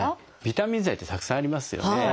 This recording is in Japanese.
ビタミン剤ってたくさんありますよね。